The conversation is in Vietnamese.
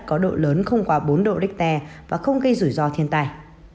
có độ lớn không quá bốn độ richter và không gây rủi ro thiên tai